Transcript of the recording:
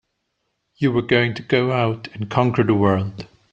You were going to go out and conquer the world!